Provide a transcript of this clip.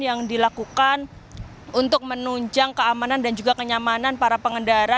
yang dilakukan untuk menunjang keamanan dan juga kenyamanan para pengendara